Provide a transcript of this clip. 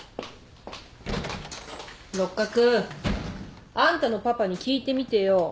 六角。あんたのパパに聞いてみてよ